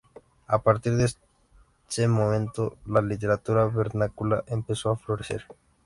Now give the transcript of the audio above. A partir de ese momento, la literatura vernácula empezó a florecer.